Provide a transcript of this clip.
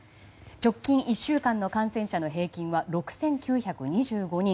直近１週間の感染者の平均は６９２５人。